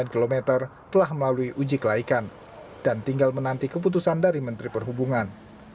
sembilan km telah melalui uji kelaikan dan tinggal menanti keputusan dari menteri perhubungan